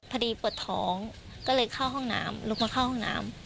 พอดีปวดท้องก็เลยเข้าห้องน้ำลงมาเข้าห้องน้ำ